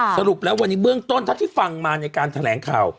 สรุปแล้ววันนี้เบื้องต้นเท่าที่ฟังมาในการแถลงข่าว